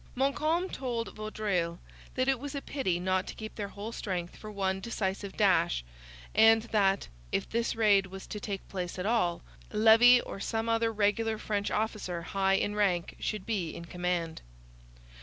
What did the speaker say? Montcalm told Vaudreuil that it was a pity not to keep their whole strength for one decisive dash, and that, if this raid was to take place at all, Levis or some other regular French officer high in rank should be in command.